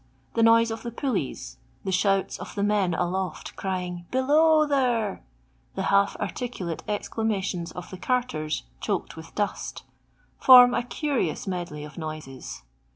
* noise of the pulleys, the shouts of the I men aloft, crying " be low there !'* the half arti I culate cxclamationa of the carters choked with I dust, form a curious medley of noises.